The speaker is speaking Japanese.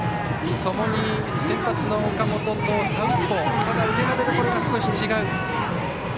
ともに先発の岡本とサウスポーただ、腕の出どころが少し違う。